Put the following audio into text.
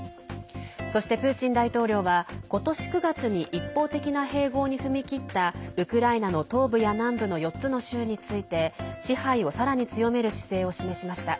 そして、プーチン大統領は今年９月に一方的な併合に踏み切ったウクライナの東部や南部の４つの州について支配を、さらに強める姿勢を示しました。